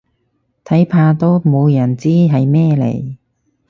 睇怕都冇人知係咩嚟